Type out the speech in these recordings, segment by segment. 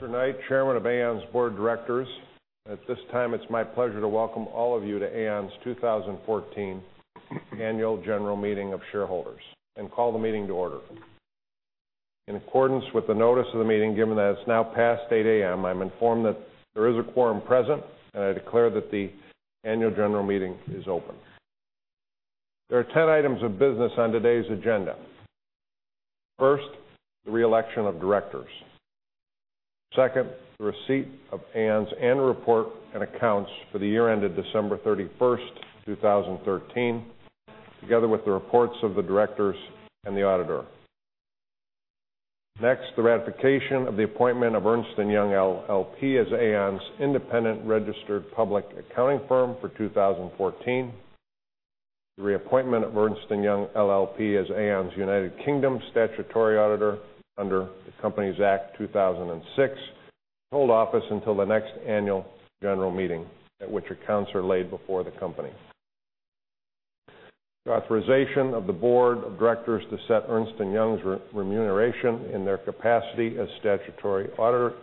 Lester Knight, Chairman of Aon's Board of Directors. At this time, it's my pleasure to welcome all of you to Aon's 2014 Annual General Meeting of Shareholders and call the meeting to order. In accordance with the notice of the meeting, given that it's now past 8:00 A.M., I'm informed that there is a quorum present, and I declare that the annual general meeting is open. There are 10 items of business on today's agenda. First, the re-election of directors. Second, the receipt of Aon's annual report and accounts for the year ended December 31st, 2013, together with the reports of the directors and the auditor. The ratification of the appointment of Ernst & Young LLP as Aon's independent registered public accounting firm for 2014. The reappointment of Ernst & Young LLP as Aon's United Kingdom statutory auditor under the Companies Act 2006, to hold office until the next annual general meeting, at which accounts are laid before the company. The authorization of the board of directors to set Ernst & Young's remuneration in their capacity as statutory auditor.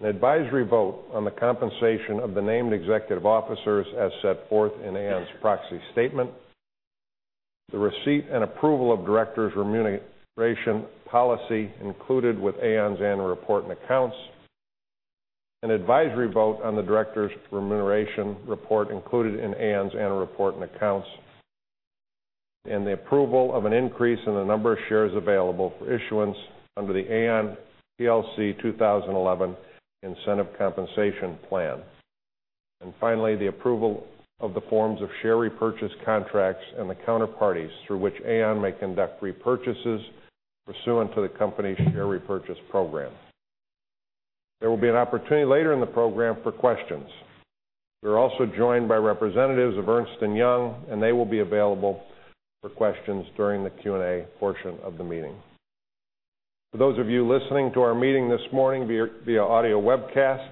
An advisory vote on the compensation of the named executive officers as set forth in Aon's proxy statement. The receipt and approval of directors' remuneration policy included with Aon's annual report and accounts. An advisory vote on the directors' remuneration report included in Aon's annual report and accounts. The approval of an increase in the number of shares available for issuance under the Aon plc 2011 Incentive Plan. Finally, the approval of the forms of share repurchase contracts and the counterparties through which Aon may conduct repurchases pursuant to the company's share repurchase program. There will be an opportunity later in the program for questions. We are also joined by representatives of Ernst & Young, and they will be available for questions during the Q&A portion of the meeting. For those of you listening to our meeting this morning via audio webcast,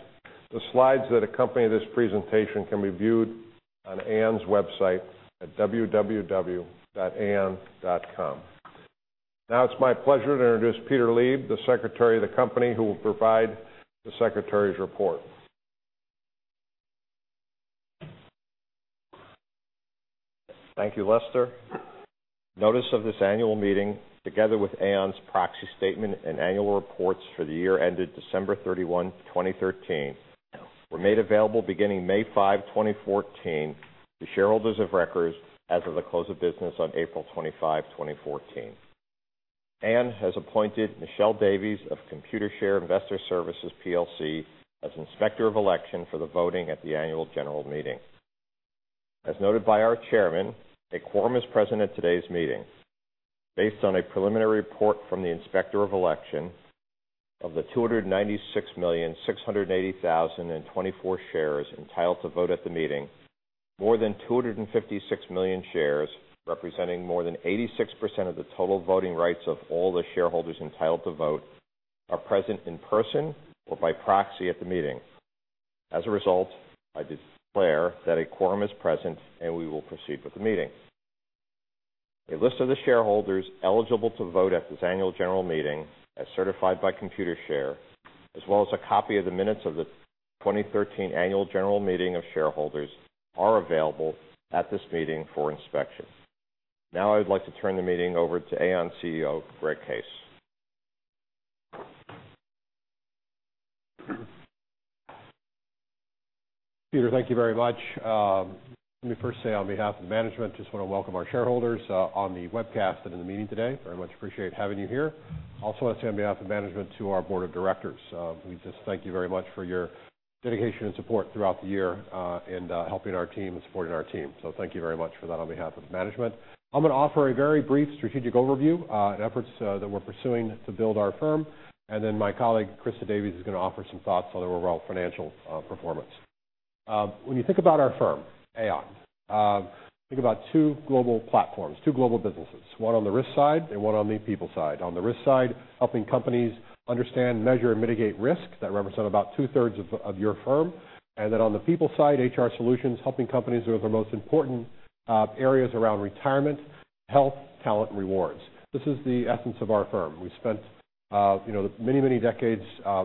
the slides that accompany this presentation can be viewed on Aon's website at www.aon.com. Now it's my pleasure to introduce Peter Lieb, the Secretary of the company, who will provide the Secretary's report. Thank you, Lester. Notice of this annual meeting, together with Aon's proxy statement and annual reports for the year ended December 31, 2013, were made available beginning May 5, 2014, to shareholders of records as of the close of business on April 25, 2014. Aon has appointed Michelle Davies of Computershare Investor Services PLC as Inspector of Election for the voting at the annual general meeting. As noted by our chairman, a quorum is present at today's meeting. Based on a preliminary report from the Inspector of Election, of the 296,680,024 shares entitled to vote at the meeting, more than 256 million shares, representing more than 86% of the total voting rights of all the shareholders entitled to vote, are present in person or by proxy at the meeting. As a result, I declare that a quorum is present, and we will proceed with the meeting. A list of the shareholders eligible to vote at this annual general meeting, as certified by Computershare, as well as a copy of the minutes of the 2013 annual general meeting of shareholders, are available at this meeting for inspection. I would like to turn the meeting over to Aon CEO, Greg Case. Peter, thank you very much. Let me first say on behalf of the management, just want to welcome our shareholders on the webcast and in the meeting today. Very much appreciate having you here. Also want to say on behalf of management to our board of directors, we just thank you very much for your dedication and support throughout the year in helping our team and supporting our team. Thank you very much for that on behalf of management. I'm going to offer a very brief strategic overview and efforts that we're pursuing to build our firm, and then my colleague, Christa Davies, is going to offer some thoughts on our overall financial performance. When you think about our firm, Aon, think about two global platforms, two global businesses, one on the risk side and one on the people side. On the risk side, helping companies understand, measure, and mitigate risk. That represents about two-thirds of your firm. On the people side, HR Solutions, helping companies with their most important areas around retirement, health, talent, and rewards. This is the essence of our firm. We spent many, many decades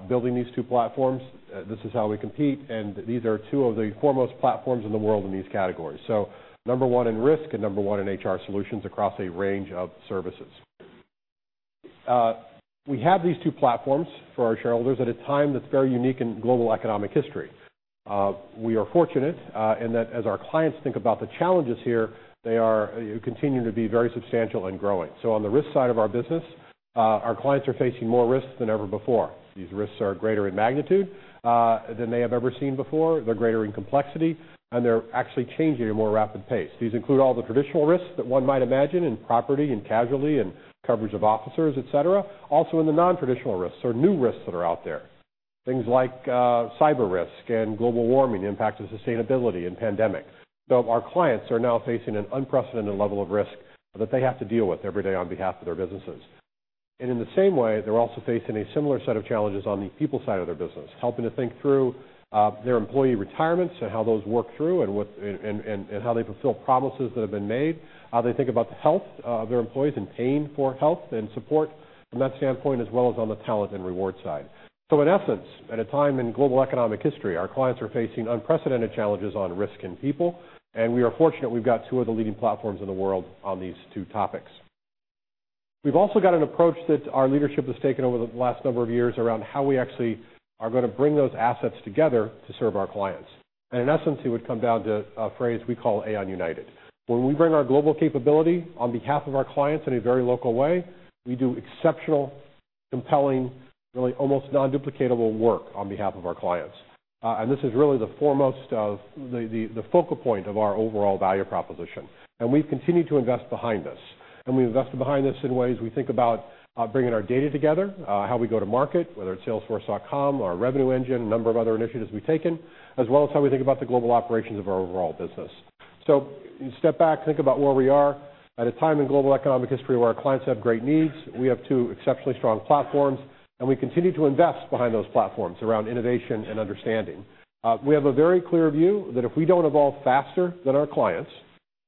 building these two platforms. This is how we compete, and these are two of the foremost platforms in the world in these categories. Number 1 in risk and number 1 in HR Solutions across a range of services. We have these two platforms for our shareholders at a time that's very unique in global economic history. We are fortunate in that as our clients think about the challenges here, they continue to be very substantial and growing. On the risk side of our business, our clients are facing more risks than ever before. These risks are greater in magnitude than they have ever seen before. They're greater in complexity, and they're actually changing at a more rapid pace. These include all the traditional risks that one might imagine in property and casualty and coverage of officers, et cetera. Also in the non-traditional risks or new risks that are out there. Things like cyber risk and global warming, the impact of sustainability and pandemics. Our clients are now facing an unprecedented level of risk that they have to deal with every day on behalf of their businesses. They're also facing a similar set of challenges on the people side of their business, helping to think through their employee retirements and how those work through and how they fulfill promises that have been made, how they think about the health of their employees and paying for health and support from that standpoint, as well as on the talent and reward side. In essence, at a time in global economic history, our clients are facing unprecedented challenges on risk and people, and we are fortunate we've got two of the leading platforms in the world on these two topics. We've also got an approach that our leadership has taken over the last number of years around how we actually are going to bring those assets together to serve our clients. In essence, it would come down to a phrase we call Aon United. When we bring our global capability on behalf of our clients in a very local way, we do exceptional, compelling, really almost non-duplicatable work on behalf of our clients. This is really the foremost of the focal point of our overall value proposition. We've continued to invest behind this. We invested behind this in ways we think about bringing our data together, how we go to market, whether it's salesforce.com, our revenue engine, a number of other initiatives we've taken, as well as how we think about the global operations of our overall business. You step back, think about where we are at a time in global economic history where our clients have great needs. We have two exceptionally strong platforms, we continue to invest behind those platforms around innovation and understanding. We have a very clear view that if we don't evolve faster than our clients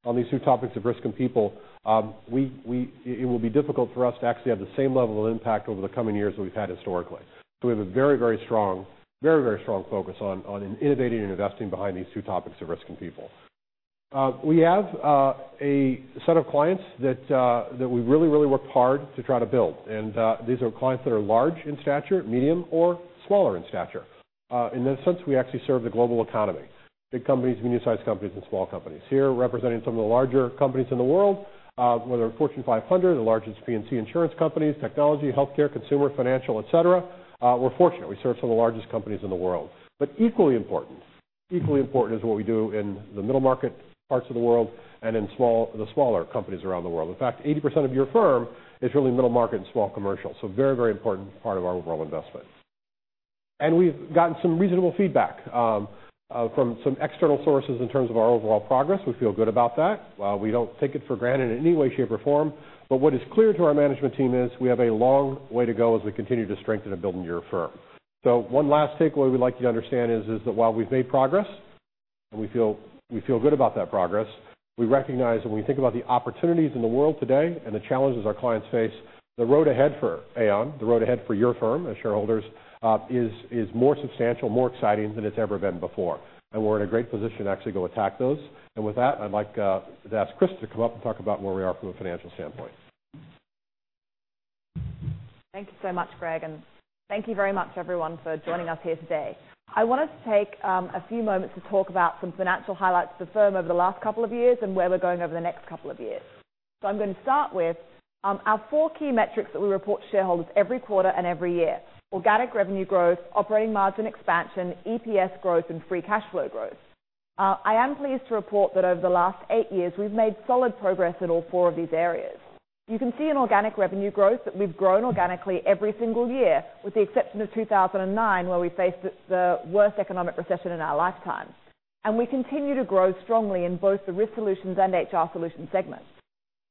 on these two topics of risk and people, it will be difficult for us to actually have the same level of impact over the coming years that we've had historically. We have a very strong focus on innovating and investing behind these two topics of risk and people. We have a set of clients that we really worked hard to try to build, these are clients that are large in stature, medium, or smaller in stature. In that sense, we actually serve the global economy, big companies, medium-sized companies, and small companies. Here representing some of the larger companies in the world, whether Fortune 500, the largest P&C insurance companies, technology, healthcare, consumer, financial, et cetera. We're fortunate. We serve some of the largest companies in the world. Equally important is what we do in the middle market parts of the world and in the smaller companies around the world. In fact, 80% of your firm is really middle market and small commercial, so very important part of our overall investment. We've gotten some reasonable feedback from some external sources in terms of our overall progress. We feel good about that. We don't take it for granted in any way, shape, or form, what is clear to our management team is we have a long way to go as we continue to strengthen and build your firm. One last takeaway we'd like you to understand is that while we've made progress and we feel good about that progress, we recognize and we think about the opportunities in the world today and the challenges our clients face, the road ahead for Aon, the road ahead for your firm as shareholders is more substantial, more exciting than it's ever been before. We're in a great position to actually go attack those. With that, I'd like to ask Christa to come up and talk about where we are from a financial standpoint. Thank you so much, Greg, and thank you very much, everyone, for joining us here today. I wanted to take a few moments to talk about some financial highlights of the firm over the last couple of years and where we're going over the next couple of years. I'm going to start with our four key metrics that we report to shareholders every quarter and every year. Organic revenue growth, operating margin expansion, EPS growth, and free cash flow growth. I am pleased to report that over the last eight years, we've made solid progress in all four of these areas. You can see in organic revenue growth that we've grown organically every single year with the exception of 2009, where we faced the worst economic recession in our lifetime. We continue to grow strongly in both the Risk Solutions and HR Solutions segments.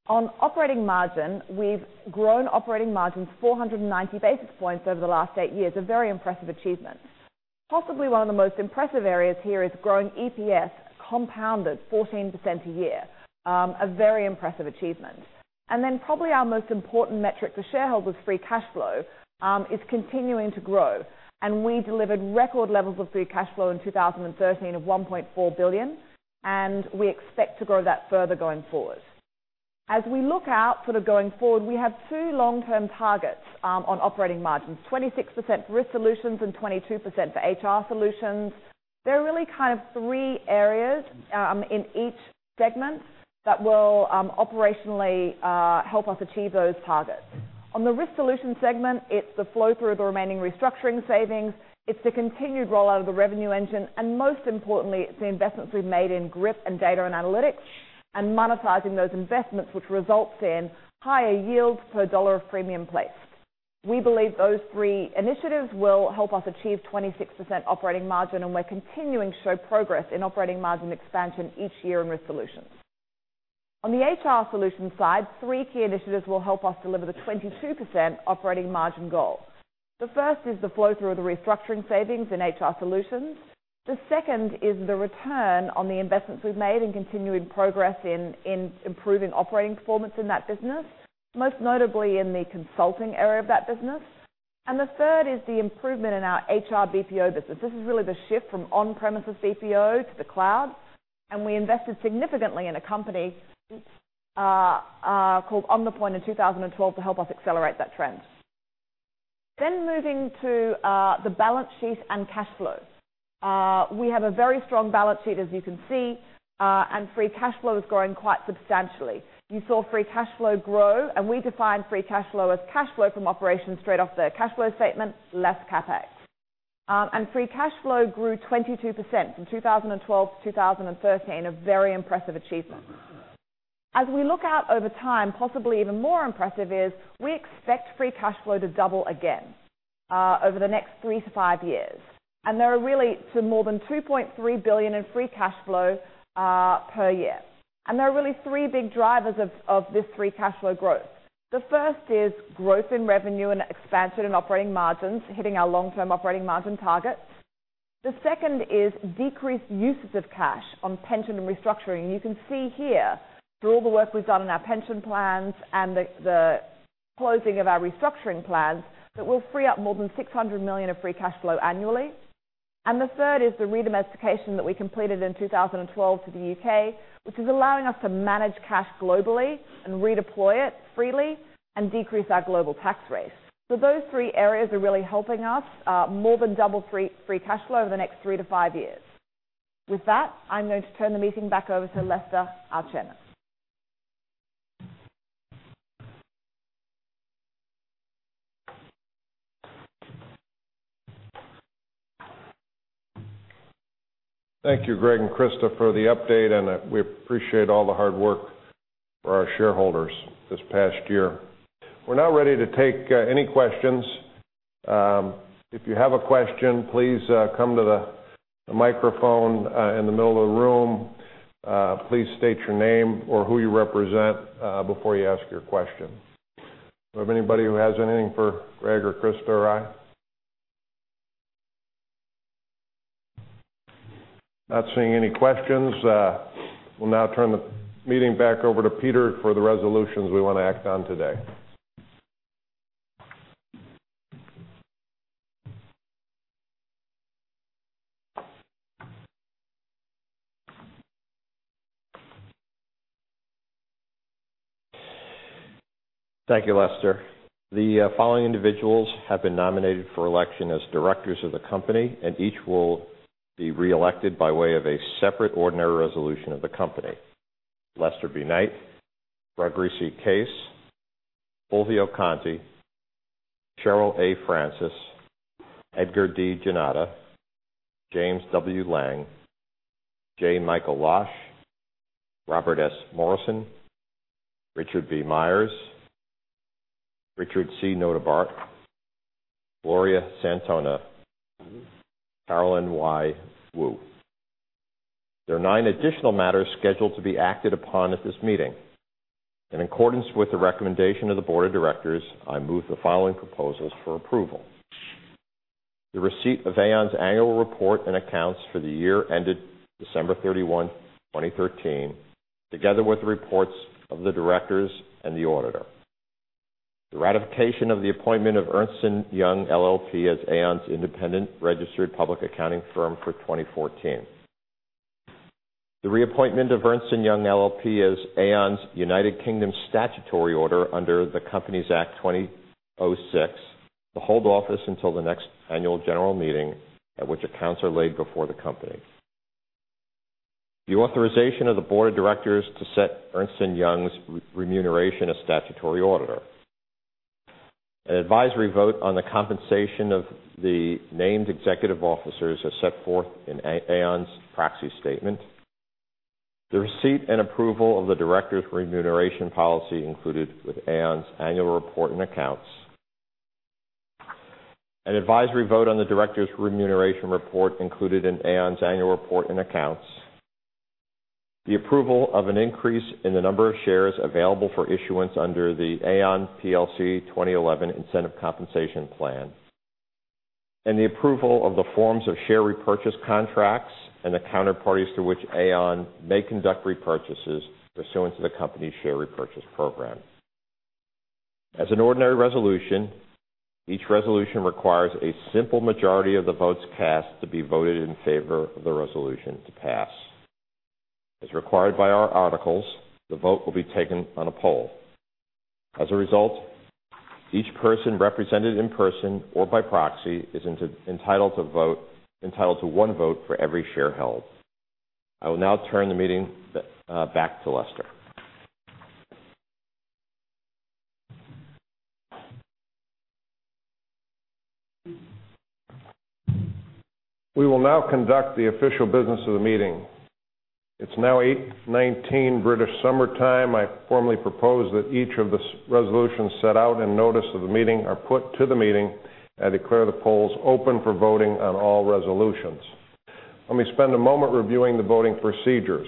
On operating margin, we've grown operating margins 490 basis points over the last eight years, a very impressive achievement. Possibly one of the most impressive areas here is growing EPS compounded 14% a year, a very impressive achievement. Probably our most important metric for shareholders, free cash flow, is continuing to grow, and we delivered record levels of free cash flow in 2013 of $1.4 billion, and we expect to grow that further going forward. As we look out going forward, we have two long-term targets on operating margins, 26% Risk Solutions and 22% for HR Solutions. There are really kind of three areas in each segment that will operationally help us achieve those targets. On the Risk Solutions segment, it's the flow through of the remaining restructuring savings, it's the continued rollout of the revenue engine, and most importantly, it's the investments we've made in GRIP and data and analytics and monetizing those investments, which results in higher yields per dollar of premium placed. We believe those three initiatives will help us achieve 26% operating margin. We're continuing to show progress in operating margin expansion each year in Risk Solutions. On the HR Solutions side, three key initiatives will help us deliver the 22% operating margin goal. The first is the flow through of the restructuring savings in HR Solutions. The second is the return on the investments we've made in continuing progress in improving operating performance in that business, most notably in the consulting area of that business. The third is the improvement in our HR BPO business. This is really the shift from on-premises BPO to the cloud. We invested significantly in a company called OmniPoint in 2012 to help us accelerate that trend. Moving to the balance sheet and cash flows. We have a very strong balance sheet, as you can see, and free cash flow is growing quite substantially. You saw free cash flow grow, and we define free cash flow as cash flow from operations straight off the cash flow statement, less CapEx. Free cash flow grew 22% from 2012 to 2013, a very impressive achievement. As we look out over time, possibly even more impressive is we expect free cash flow to double again over the next 3-5 years. They're really to more than $2.3 billion in free cash flow per year. There are really three big drivers of this free cash flow growth. The first is growth in revenue and expansion in operating margins, hitting our long-term operating margin targets. The second is decreased usage of cash on pension and restructuring. You can see here through all the work we've done in our pension plans and the closing of our restructuring plans, that we'll free up more than $600 million of free cash flow annually. The third is the re-domestication that we completed in 2012 for the U.K., which is allowing us to manage cash globally and redeploy it freely and decrease our global tax rates. Those three areas are really helping us more than double free cash flow over the next 3-5 years. With that, I'm going to turn the meeting back over to Lester, our chairman. Thank you, Greg and Christa, for the update. We appreciate all the hard work for our shareholders this past year. We're now ready to take any questions. If you have a question, please come to the microphone in the middle of the room. Please state your name or who you represent before you ask your question. Do we have anybody who has anything for Greg or Christa or I? Not seeing any questions, we'll now turn the meeting back over to Peter for the resolutions we want to act on today. Thank you, Lester. The following individuals have been nominated for election as directors of the company. Each will be reelected by way of a separate ordinary resolution of the company. Lester B. Knight, Gregory C. Case, Fulvio Conti, Cheryl A. Francis, Edgar D. Jannotta, James W. Leng, J. Michael Losh, Robert S. Morrison, Richard B. Myers, Richard C. Notebaert, Gloria Santona, Carolyn Y. Woo. There are nine additional matters scheduled to be acted upon at this meeting. In accordance with the recommendation of the board of directors, I move the following proposals for approval. The receipt of Aon's annual report and accounts for the year ended December 31, 2013, together with the reports of the directors and the auditor. The ratification of the appointment of Ernst & Young LLP as Aon's independent registered public accounting firm for 2014. The reappointment of Ernst & Young LLP as Aon's U.K. statutory order under the Companies Act 2006 to hold office until the next annual general meeting at which accounts are laid before the company. The authorization of the board of directors to set Ernst & Young's remuneration as statutory auditor. An advisory vote on the compensation of the named executive officers as set forth in Aon's proxy statement. The receipt and approval of the directors' remuneration policy included with Aon's annual report and accounts. An advisory vote on the directors' remuneration report included in Aon's annual report and accounts. The approval of an increase in the number of shares available for issuance under the Aon plc 2011 Incentive Plan. The approval of the forms of share repurchase contracts and the counterparties to which Aon may conduct repurchases pursuant to the company's share repurchase program. As an ordinary resolution, each resolution requires a simple majority of the votes cast to be voted in favor of the resolution to pass. As required by our articles, the vote will be taken on a poll. As a result, each person represented in person or by proxy is entitled to one vote for every share held. I will now turn the meeting back to Lester. We will now conduct the official business of the meeting. It's now 8:19 A.M. British Summer Time. I formally propose that each of the resolutions set out in notice of the meeting are put to the meeting and declare the polls open for voting on all resolutions. Let me spend a moment reviewing the voting procedures.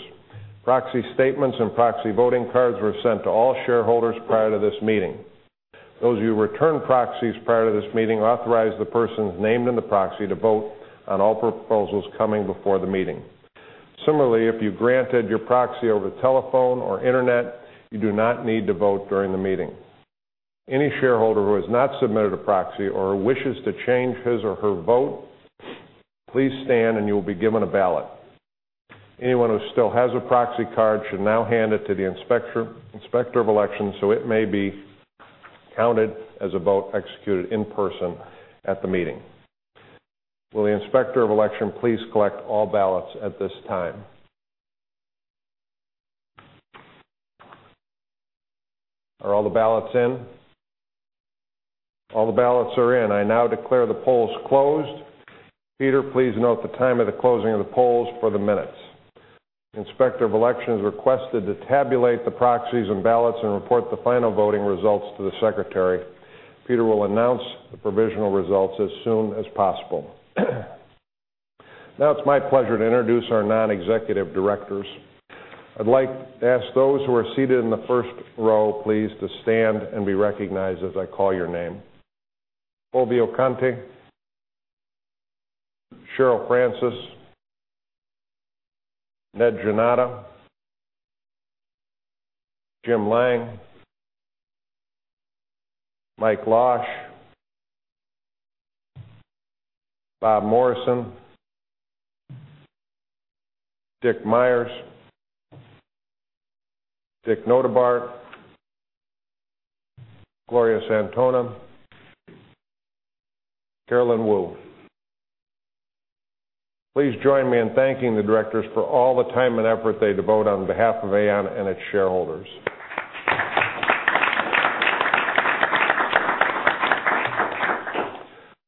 Proxy statements and proxy voting cards were sent to all shareholders prior to this meeting. Those of you who returned proxies prior to this meeting authorized the persons named in the proxy to vote on all proposals coming before the meeting. Similarly, if you granted your proxy over the telephone or internet, you do not need to vote during the meeting. Any shareholder who has not submitted a proxy or wishes to change his or her vote, please stand and you will be given a ballot. Anyone who still has a proxy card should now hand it to the Inspector of Election so it may be counted as a vote executed in person at the meeting. Will the Inspector of Election please collect all ballots at this time? Are all the ballots in? All the ballots are in. I now declare the polls closed. Peter, please note the time of the closing of the polls for the minutes. Inspector of Election requested to tabulate the proxies and ballots and report the final voting results to the secretary. Peter will announce the provisional results as soon as possible. Now it is my pleasure to introduce our non-executive directors. I would like to ask those who are seated in the first row, please, to stand and be recognized as I call your name. Fulvio Conti. Cheryl Francis. Ned Jannotta. Jim Leng. Mike Losh. Bob Morrison. Dick Myers. Dick Notebaert. Gloria Santona. Carolyn Woo. Please join me in thanking the directors for all the time and effort they devote on behalf of Aon and its shareholders.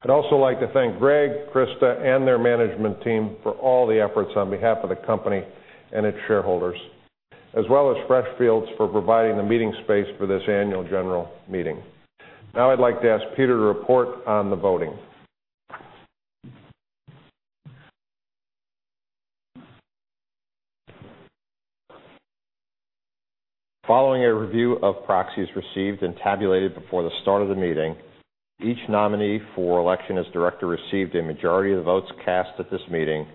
I'd also like to thank Greg, Christa, and their management team for all the efforts on behalf of the company and its shareholders, as well as Freshfields for providing the meeting space for this annual general meeting. I'd like to ask Peter to report on the voting. Following a review of proxies received and tabulated before the start of the meeting, each nominee for election as director received a majority of the votes cast at this meeting,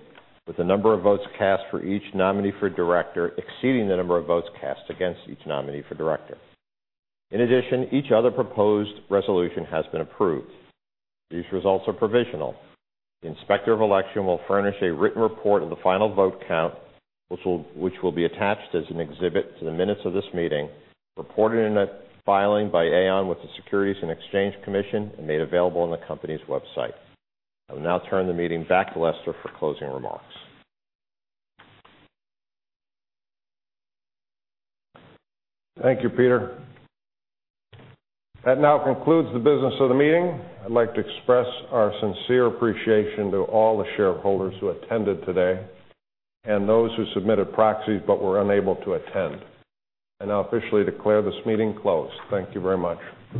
with the number of votes cast for each nominee for director exceeding the number of votes cast against each nominee for director. In addition, each other proposed resolution has been approved. These results are provisional. The inspector of election will furnish a written report of the final vote count, which will be attached as an exhibit to the minutes of this meeting, reported in a filing by Aon with the Securities and Exchange Commission, and made available on the company's website. I will now turn the meeting back to Lester for closing remarks. Thank you, Peter. That now concludes the business of the meeting. I'd like to express our sincere appreciation to all the shareholders who attended today and those who submitted proxies but were unable to attend. I now officially declare this meeting closed. Thank you very much.